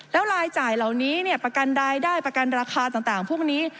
แล้วรายจ่ายเหล่านี้ประกันรายได้ประกันราคาต่างพวกนี้